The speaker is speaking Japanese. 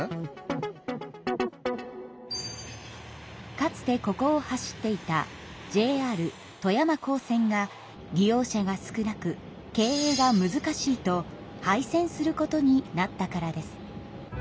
かつてここを走っていたＪＲ富山港線が利用者が少なく経営がむずかしいと廃線することになったからです。